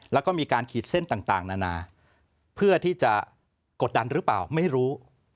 แล้วก็มีการขีดเส้นต่างนานาเพื่อที่จะกดดันหรือเปล่าไม่รู้